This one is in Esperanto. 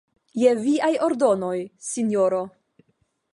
Je viaj ordonoj, sinjoro.